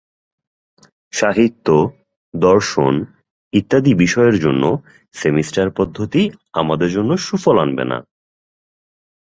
সাহিত্য, দর্শন ইত্যাদি বিষয়ের জন্য সেমিস্টার-পদ্ধতি আমাদের জন্য সুফল আনবে না।